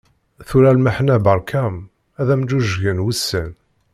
Tura lmeḥna barka-am, ad am-ğuğgen wussan.